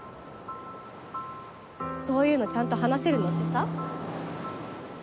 そういうのちゃんと話せるのってさ。